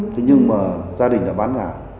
thế nhưng mà gia đình đã bán ngã